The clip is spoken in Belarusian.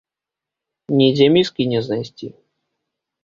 Нідзе міскі не знайсці.